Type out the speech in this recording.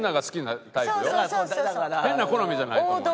変な好みじゃないと思います。